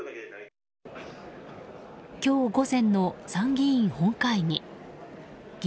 今日午前の参議院本会議。